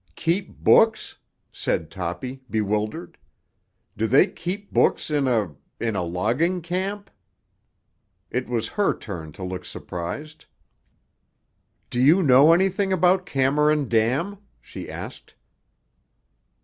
"Keep books?" said Toppy, bewildered. "Do they keep books in a—in a logging camp?" It was her turn to look surprised. "Do you know anything about Cameron Dam?" she asked.